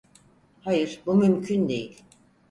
Hayır, bu mümkün değil.